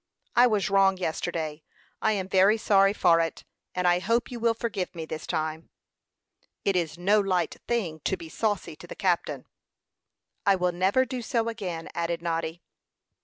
"I was wrong yesterday; I am very sorry for it, and I hope you will forgive me this time." "It is no light thing to be saucy to the captain." "I will never do so again," added Noddy.